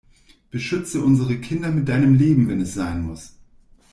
Beschütze unsere Kinder mit deinem Leben wenn es sein muss.